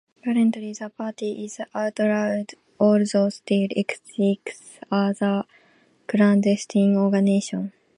Currently the party is outlawed, although still exists as a clandestine organization.